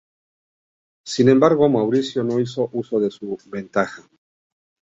Sin embargo, Mauricio no hizo uso de su ventaja.